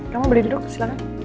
kamu boleh duduk silahkan